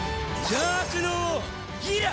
邪悪の王ギラ！